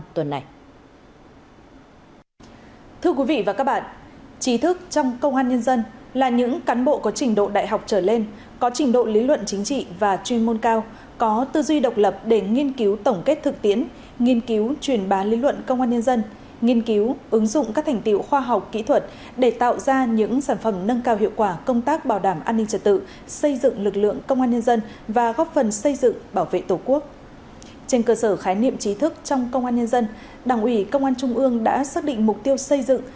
trên cơ sở khái niệm trí thức trong công an nhân dân đảng ủy công an trung ương đã xác định mục tiêu xây dựng